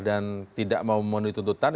dan tidak mau memenuhi tuntutan